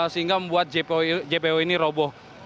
sehingga membuat jpo ini roboh